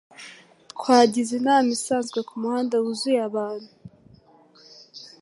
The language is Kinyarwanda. Twagize inama isanzwe kumuhanda wuzuye abantu.